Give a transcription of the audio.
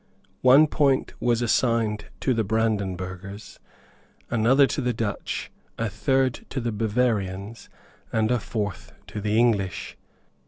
One point was assigned to the Brandenburghers, another to the Dutch, a third to the Bavarians, and a fourth to the English.